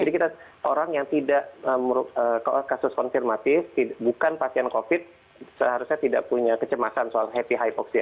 jadi kita orang yang tidak kasus konfirmatif bukan pasien covid seharusnya tidak punya kecemasan soal happy hypoxia